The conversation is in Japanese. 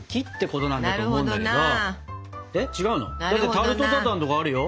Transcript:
タルトタタンとかあるよ。